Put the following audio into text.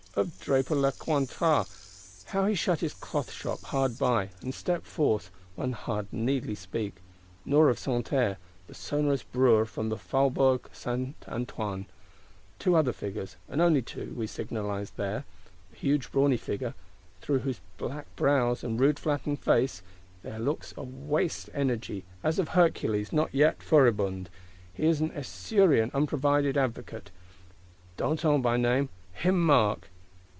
Of Draper Lecointre, how he shut his cloth shop hard by, and stepped forth, one need hardly speak. Nor of Santerre, the sonorous Brewer from the Faubourg St. Antoine. Two other Figures, and only two, we signalise there. The huge, brawny, Figure; through whose black brows, and rude flattened face (figure ecrasée), there looks a waste energy as of Hercules not yet furibund,—he is an esurient, unprovided Advocate; Danton by name: him mark.